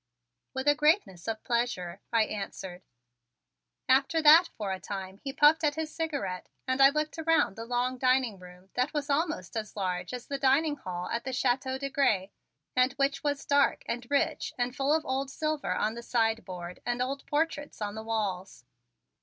"With a greatness of pleasure," I answered. After that for a time he puffed at his cigarette and I looked around the long dining room that was almost as large as the dining hall at the Chateau de Grez and which was dark and rich and full of old silver on the sideboard and old portraits on the walls.